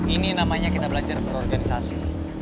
ini namanya kita belajar berorganisasi